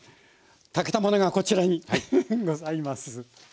炊けたものがこちらにございます。